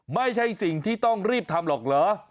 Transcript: ไม่ใช่สิ่งที่ต้องรีบทำหรอกเหรอ